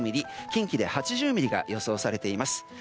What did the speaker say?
近畿で８０ミリが予想されています。